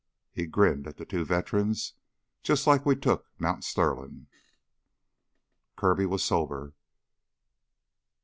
He grinned at the two veterans. "Jus' like we took Mount Sterlin'." Kirby was sober.